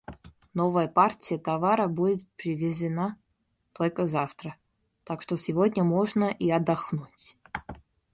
Новая партия товара будет привезена только завтра. Так что сегодня можно и отдохнуть.